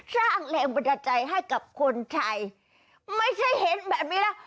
ช่างเร็งปัจจัยให้กับคนไทยไม่ใช่เห็นแบบนี้เลย